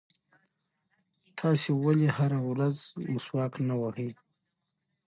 تاسې ولې هره ورځ مسواک نه وهئ؟